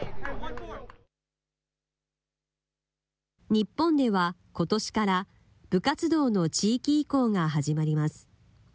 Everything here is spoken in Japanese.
日本ではことしから部活動の地域移行が始まります。